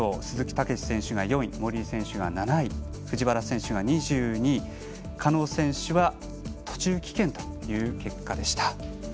鈴木猛史選手が４位森井選手が７位藤原選手が２２位狩野選手は途中棄権という結果でした。